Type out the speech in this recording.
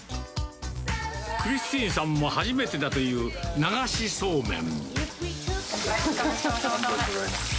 クリスティンさんも初めてだという、流しそうめん。